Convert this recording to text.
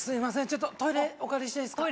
ちょっとトイレお借りしていいですか？